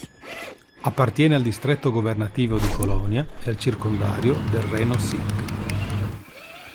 Appartiene al distretto governativo di Colonia e al circondario del Reno-Sieg.